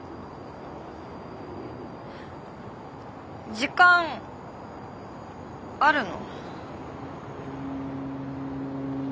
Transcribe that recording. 時間あるの？